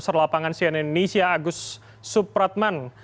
selamat siang agus supratman